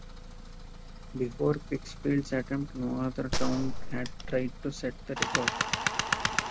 Before Pittsfield's attempt, no other town had tried to set the record.